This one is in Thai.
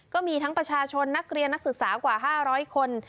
ก็มีทั้งประชาชนนักเรียนนักศึกษากว่า๕๐๐คน